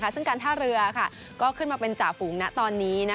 ซึ่งการท่าเรือก็ขึ้นมาเป็นจ่าฝูงณตอนนี้